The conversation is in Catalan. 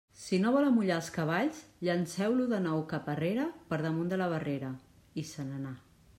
«Si no vol amollar els cavalls, llanceu-lo de nou cap arrere per damunt de la barrera»; i se n'anà.